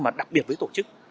mà đặc biệt với tổ chức